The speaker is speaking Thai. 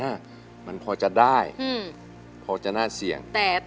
กลับไปก่อนที่สุดท้าย